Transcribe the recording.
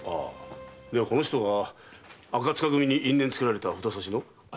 この人が赤柄組に因縁をつけられた札差の？